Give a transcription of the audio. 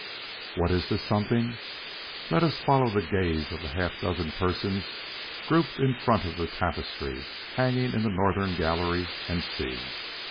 What is this something? Let us follow the gaze of the half dozen persons grouped in front of the tapestry hanging in the northern gallery, and see.